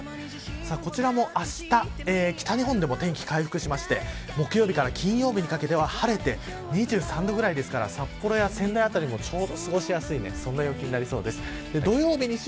こちらもあした北日本でも、天気が回復しまして、木曜日から金曜日にかけては晴れて２３度ぐらいですから札幌や仙台辺りも、ちょうど過ごやしすい